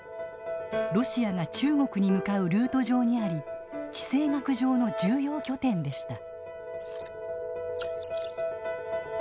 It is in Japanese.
ロシアが中国に向かうルート上にあり地政学上の重要拠点でした。